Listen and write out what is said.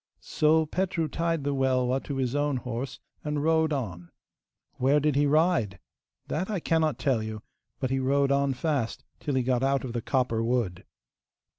So Petru tied the Welwa to his own horse and rode on. Where did he ride? That I cannot tell you, but he rode on fast till he got out of the copper wood.